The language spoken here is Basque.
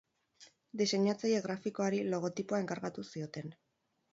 Diseinatzaile grafikoari logotipoa enkargatu zioten.